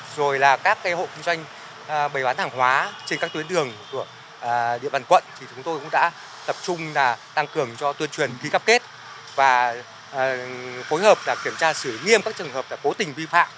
rồi là các hộ kinh doanh các phương tiện các phương tiện các phương tiện các phương tiện các phương tiện các phương tiện